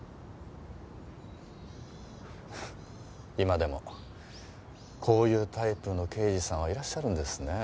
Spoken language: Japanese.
フッ今でもこういうタイプの刑事さんはいらっしゃるんですねえ。